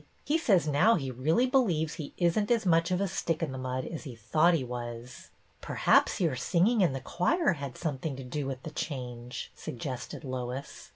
He says now he really believes he is n't as much of a stick in the mud as he thought he was." " Perhaps jmur singing in the choir had something to do with the change," suggested Lois.